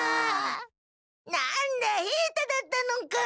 なんだ平太だったのか。